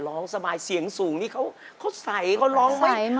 ร้องสบายเสียงสูงนี่เขาใสเขาร้องไหม